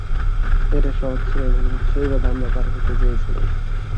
এটা সহজ ছিল না, কিন্তু সেই বাধা আমরা পার হতে পেরেছিলাম।